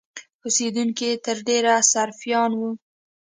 اوسېدونکي یې تر ډېره سرفیان وو.